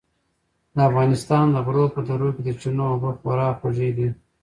د افغانستان د غرو په درو کې د چینو اوبه خورا خوږې دي.